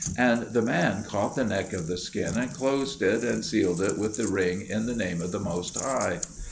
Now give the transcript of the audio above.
And the man caught the neck of the skin and closed it, and sealed it with the ring in the name of the Most High.